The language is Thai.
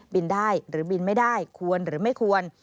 บินได้หรือบินไม่ได้ควรหรือไม่ควร